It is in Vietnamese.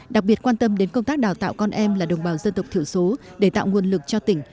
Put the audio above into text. đặc biệt quan tâm đến công tác đào tạo con em là đồng bào dân tộc thiểu số để tạo nguồn lực cho tỉnh